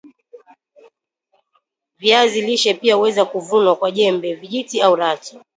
viazi lishe pia huweza kuvunwa kwa jembe vijiti au rato